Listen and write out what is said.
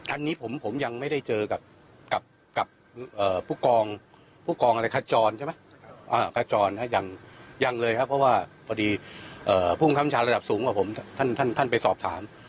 อันนี้ผมยังไม่ได้เจอกับผู้กองขจรยังเลยครับเพราะว่าพุ่งค้ำชาระดับสูงกว่าผมท่านไปสอบถาม